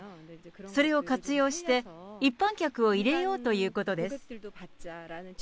それを活用して、一般客を入れようということです。